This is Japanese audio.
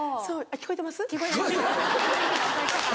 聞こえてます。